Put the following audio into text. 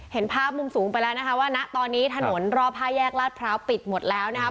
เห็นภาพมุมสูงไปแล้วนะคะว่าณตอนนี้ถนนรอบ๕แยกลาดพร้าวปิดหมดแล้วนะครับ